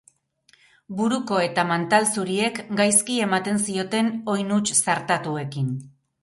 Buruko eta mantal zuriek gaizki ematen zioten oin huts zartatuekin.